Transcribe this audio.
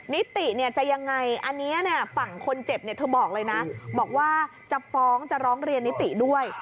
นิติเนี่ยจะยังไงอันนี้ฝั่งคนเจ็บเนี่ยเธอบอกเลยนะบอกว่าจะฟ้องจะร้องเรียนนิติด้วย